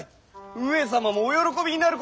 上様もお喜びになることじゃろう。